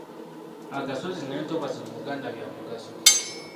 Agasozi n’entobazzi mu Uganda bya mugaso.